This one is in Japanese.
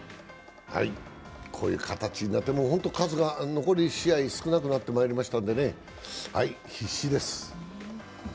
こういう形になって本当に残り試合が少なくなってしまいましたんでね必死です。